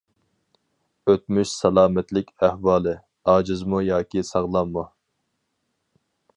ئۆتمۈش سالامەتلىك ئەھۋالى: ئاجىزمۇ ياكى ساغلاممۇ.